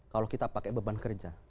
kalau kita pakai beban kerja